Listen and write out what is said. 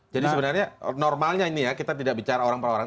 jadi sebenarnya normalnya ini ya kita tidak bicara orang per orang